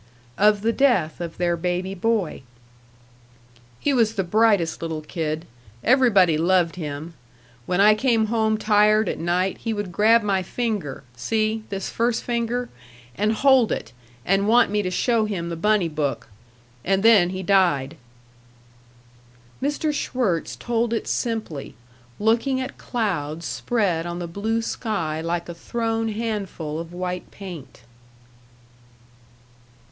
Of the death of their baby boy. "He was the brightest little kid everybody loved him. When I came home tired at night he would grab my finger see, this first finger and hold it, and want me to show him the bunny book.... And then he died." Mr. Schwirtz told it simply, looking at clouds spread on the blue sky like a thrown handful of white paint.